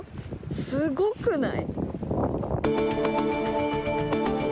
すごくない？